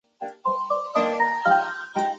全会把王明推上中共的最高领导岗位。